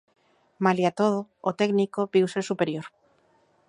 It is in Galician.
Malia todo, o técnico viuse superior.